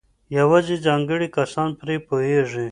یوازې ځانګړي کسان پرې پوهېږي.